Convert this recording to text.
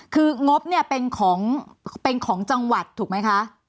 คืองบเนี่ยเป็นของเป็นของจังหวัดถูกไหมคะ